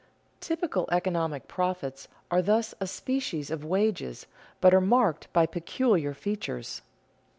_Typical economic profits are thus a species of wages but are marked by peculiar features.